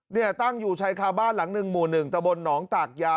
เนี่ยตั้งอยู่ชายคาบ้านหลังหนึ่งหมู่๑ตะบนหนองตากยา